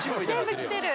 全部きてる。